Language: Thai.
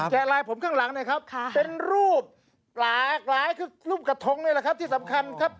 แกะลายผมข้างหลังนะครับ